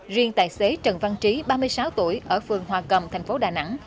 riêng tài xế trần văn trí ba mươi sáu tuổi ở phường hòa cầm thành phố đà nẵng